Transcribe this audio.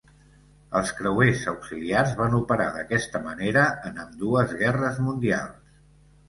Els creuers auxiliars van operar d'aquesta manera en ambdues Guerres Mundials.